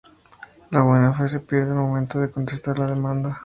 La buena fe se pierde al momento de contestar la demanda.